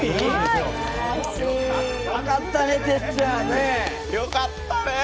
よかったね！